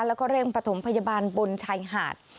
แล้วก็เร่งประถมพยาบาลบนชายหาด